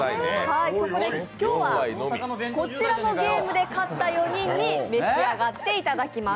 そこで今日はこちらのゲームで勝った４人に召し上がっていただきます。